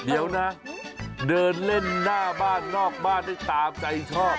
เดี๋ยวนะเดินเล่นหน้าบ้านนอกบ้านได้ตามใจชอบ